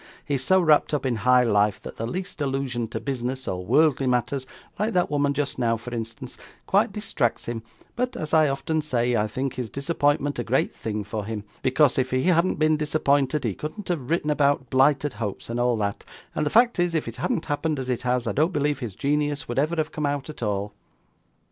He's so wrapped up in high life, that the least allusion to business or worldly matters like that woman just now, for instance quite distracts him; but, as I often say, I think his disappointment a great thing for him, because if he hadn't been disappointed he couldn't have written about blighted hopes and all that; and the fact is, if it hadn't happened as it has, I don't believe his genius would ever have come out at all.